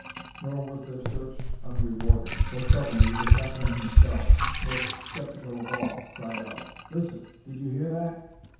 Nor was their search unrewarded, for suddenly the captain himself, most skeptical of all, cried out: "Listen! Did you hear that?"